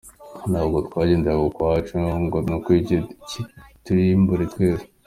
Nabwo twagendaga ukwacu ngo n’ikitwica kiturimbure twese.